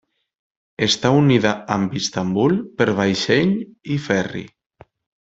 Està unida amb Istanbul per vaixell i ferri.